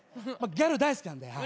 ギャル大好きなんで。